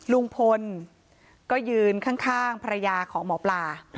ลุงพลก็ยืนข้างภรรยาของหมอปลา